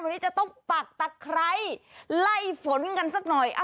วันนี้จะต้องปักตะไคร้ไล่ฝนกันสักหน่อย